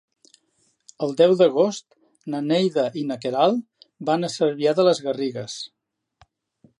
El deu d'agost na Neida i na Queralt van a Cervià de les Garrigues.